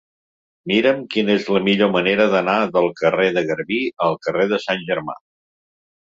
Mira'm quina és la millor manera d'anar del carrer de Garbí al carrer de Sant Germà.